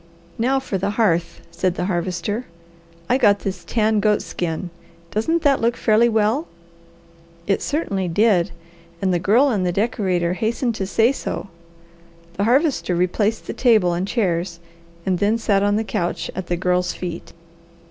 "Now for the hearth," said the Harvester, "I got this tan goat skin. Doesn't that look fairly well?" It certainly did; and the Girl and the decorator hastened to say so. The Harvester replaced the table and chairs, and then sat on the couch at the Girl's feet.